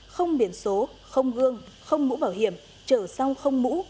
không biển số không gương không mũ bảo hiểm trở xong không mũ